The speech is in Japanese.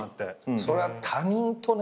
そりゃ他人とね